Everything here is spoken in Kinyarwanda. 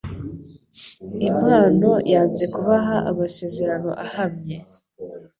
Impano yanze kubaha amasezerano ahamye.